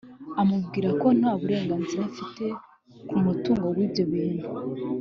amubwira ko nta burenganzira afite ku mutungo w’ibyo bintu